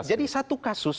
jadi satu kasus